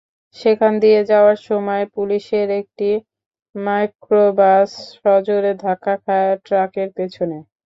সেখান দিয়ে যাওয়ার সময় পুলিশের একটি মাইক্রোবাস সজোরে ধাক্কা খায় ট্রাকের পেছনে।